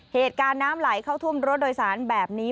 เหตุการณ์น้ำไหลเข้าท่วมรถโดยสารแบบนี้